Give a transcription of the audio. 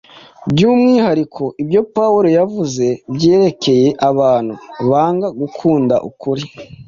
By’umwihariko, ibyo Pawulo yavuze byerekeye abantu banga “gukunda ukuri,”